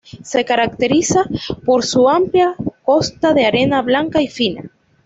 Se caracteriza por su amplia costa de arena blanca y fina.